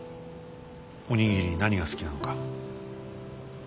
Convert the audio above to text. お握り何が好きなのか。